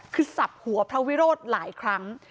คือสับหัวพระวิโรธหลายครั้ง